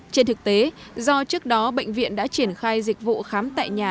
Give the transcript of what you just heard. trên thực tế do trước đó bệnh viện đã triển khai dịch vụ khám tại nhà